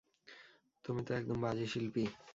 তুমি তো একদম বাজে শিল্পী!